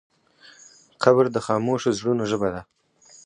قبر د خاموشو زړونو ژبه ده.